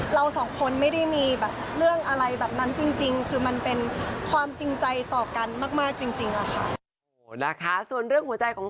เราสองคนไม่ได้มีแบบเรื่องอะไรแบบนั้นจริงคือมันเป็นความจริงใจต่อกันมากจริงอะค่ะ